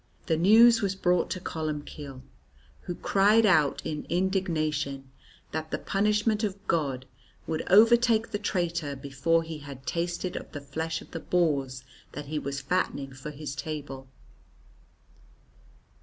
The news was brought to Columbcille, who cried out in indignation that the punishment of God would overtake the traitor before he had tasted of the flesh of the boars that he was fattening for his table.